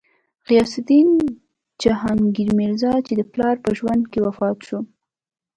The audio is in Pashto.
غیاث الدین جهانګیر میرزا، چې د پلار په ژوند کې وفات شو.